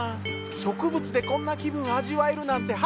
植物でこんな気分味わえるなんて初めてや！